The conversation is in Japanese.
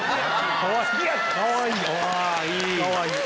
かわいい！